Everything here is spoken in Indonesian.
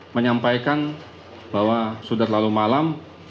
menyampaikan bahwa sudah terlalu malam